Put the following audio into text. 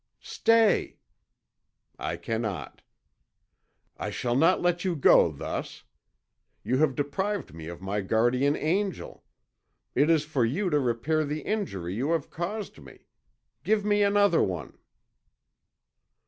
"Stay " "I cannot." "I shall not let you go thus. You have deprived me of my guardian angel. It is for you to repair the injury you have caused me. Give me another one."